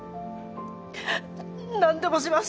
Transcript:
何でもします